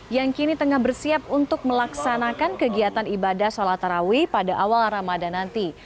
yang kini tengah bersiap untuk melaksanakan kegiatan ibadah sholat tarawih pada awal ramadan nanti